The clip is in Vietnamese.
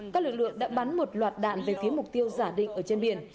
các lực lượng đã bắn một loạt đạn về phía mục tiêu giả định ở trên biển